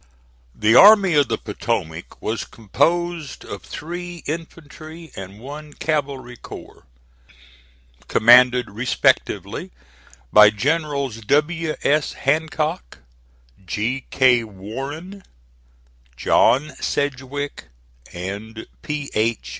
The Army of the Potomac was composed of three infantry and one cavalry corps, commanded respectively by Generals W. S. Hancock, G. K. Warren, (*27) John Sedgwick and P. H.